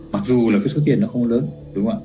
mặc dù là cái số tiền nó không lớn đúng không ạ